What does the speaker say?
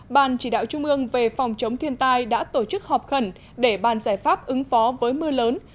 ban chỉ đạo trung ương về phòng chống thiên tai đã tổ chức họp khẩn để bàn giải pháp ứng phó với mưa lớn